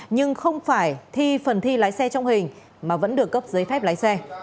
nhưng không phải thi phần thi lái xe trong hình mà vẫn được cấp giấy phép lái xe